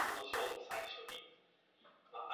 The council's principles by now are untouchable.